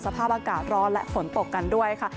สภาพอากาศร้อนและฝนตกกันด้วยค่ะ